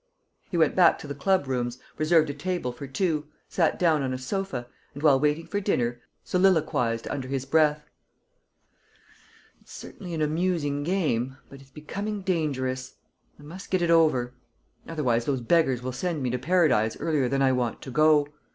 He went back to the club rooms, reserved a table for two, sat down on a sofa, and while waiting for dinner, soliloquized, under his breath: "It's certainly an amusing game, but it's becoming dangerous. I must get it over ... otherwise those beggars will send me to Paradise earlier than I want to go.